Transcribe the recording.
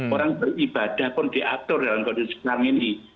orang beribadah pun diatur dalam kondisi sekarang ini